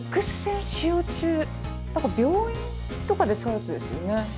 何か病院とかで使うやつですよね。